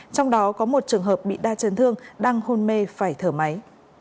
trong đó có một trường hợp bị đa chân thương đang hôn mê phải thở máy